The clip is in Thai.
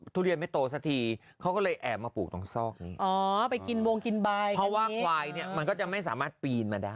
ทุเรียนไม่โตสักทีเขาก็เลยแอบมาปลูกตรงซอกนี้อ๋อไปกินวงกินใบเพราะว่าควายเนี่ยมันก็จะไม่สามารถปีนมาได้